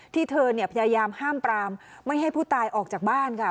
เธอเนี่ยพยายามห้ามปรามไม่ให้ผู้ตายออกจากบ้านค่ะ